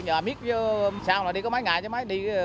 nhà biết sao là đi có mấy ngày chứ mấy đi